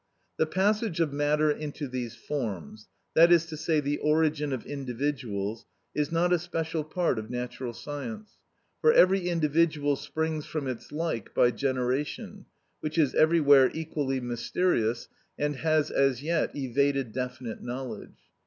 The passage of matter into these forms, that is to say, the origin of individuals, is not a special part of natural science, for every individual springs from its like by generation, which is everywhere equally mysterious, and has as yet evaded definite knowledge.